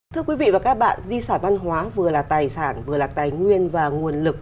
thưa quý vị và các bạn di sản văn hóa vừa là tài sản vừa là tài nguyên và nguồn lực